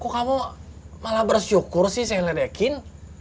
kok kamu malah bersyukur sih saya ledekin